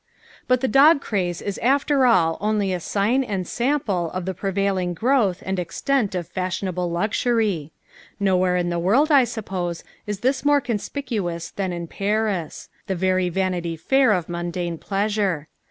But the dog craze is after all only a sign and sample of the prevailing growth and extent of fashionable luxury. Nowhere in the world, I suppose, is this more conspicuous than in Paris, the very Vanity Fair of mundane pleasure.